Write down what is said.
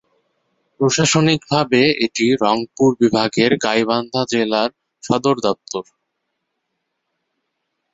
প্রশাসনিকভাবে এটি রংপুর বিভাগের গাইবান্ধা জেলার সদরদপ্তর।